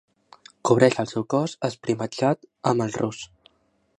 Cobreix el seu cos esprimatxat amb el rus.